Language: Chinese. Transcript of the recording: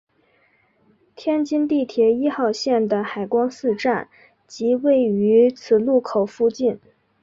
天津地铁一号线的海光寺站即位于此路口附近。